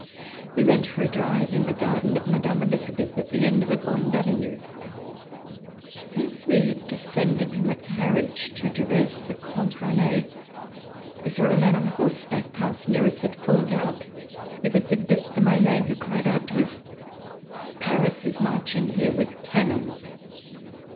We went for a drive in the garden of Mme. Elisabeth at the end of the Grande Avenue. As we descended from the carriage to traverse the contre allee, we saw a man on horse back pass near us at full gallop. It was the Due de Maille, who cried out to us: "Paris is marching here with cannon!"